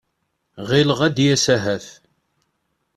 Ɣileɣ ad d-yas ahat.